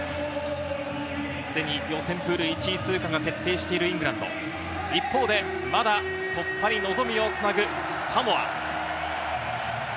既に予選プール１位通過が決定しているイングランド、一方で、まだ突破に望みをつなぐサモア。